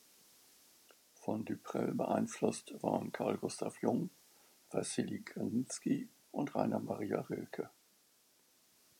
Von du Prel beeinflusst waren Carl Gustav Jung, Wassily Kandinsky und Rainer Maria Rilke.